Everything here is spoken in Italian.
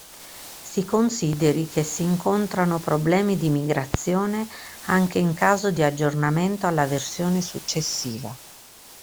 Si consideri che si incontrano problemi di migrazione anche in caso di aggiornamento alla versione successiva.